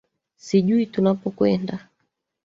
sijui tunapokwenda